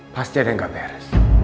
pasti ada yang gak beres